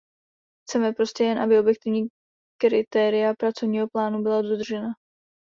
Chceme prostě jen, aby objektivní kritéria pracovního plánu byla dodržena.